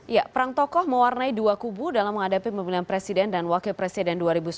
ya perang tokoh mewarnai dua kubu dalam menghadapi pemilihan presiden dan wakil presiden dua ribu sembilan belas